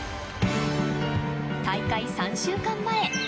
大会３週間前。